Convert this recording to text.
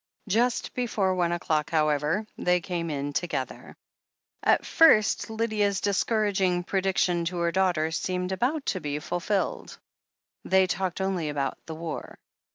Just before one o'clock, however, they came in to gether. At first Lydia' s discouraging prediction to her daughter seemed about to be fulfilled. They talked only about the war.